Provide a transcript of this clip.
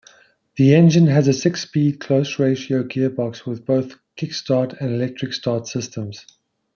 The engine has a six-speed close-ratio gearbox with both kick-start and electric start systems.